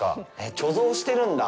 貯蔵してるんだ。